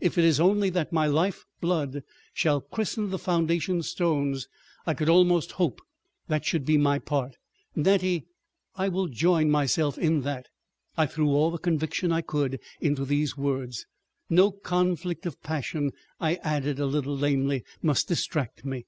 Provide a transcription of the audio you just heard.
If it is only that my life blood shall christen the foundation stones—I could almost hope that should be my part, Nettie—I will join myself in that." I threw all the conviction I could into these words. ... "No conflict of passion." I added a little lamely, "must distract me."